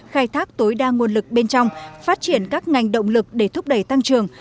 khai thác tối đa nguồn lực bên trong phát triển các ngành động lực để thúc đẩy tăng trưởng